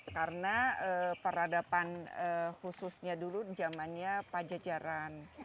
karena peradaban khususnya dulu zamannya pajajaran